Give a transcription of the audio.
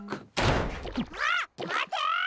あっまて！